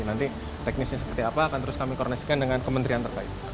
nanti teknisnya seperti apa akan terus kami koordinasikan dengan kementerian terkait